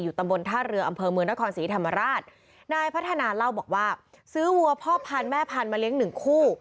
ตำบลท่าเรืออำเภอเมืองนครศรีธรรมราชนายพัฒนาเล่าบอกว่าซื้อวัวพ่อพันธุ์แม่พันธุมาเลี้ยงหนึ่งคู่